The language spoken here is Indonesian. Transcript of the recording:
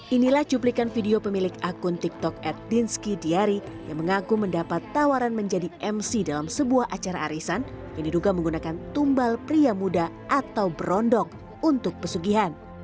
inilah cuplikan video pemilik akun tiktok ed dinski diari yang mengaku mendapat tawaran menjadi mc dalam sebuah acara arisan yang diduga menggunakan tumbal pria muda atau berondok untuk pesugihan